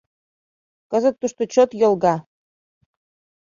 Кызыт тушто чот йолга;